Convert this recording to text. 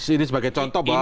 ini sebagai contoh bahwa